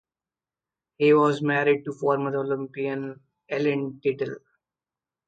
He was married to former Olympian Ellen Tittel.